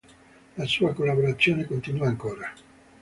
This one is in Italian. La sua collaborazione continua ancora.